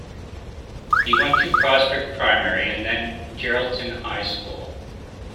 He went to Prospect Primary and then Geraldton High School.